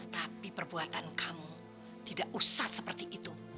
tapi perbuatan kamu tidak usah seperti itu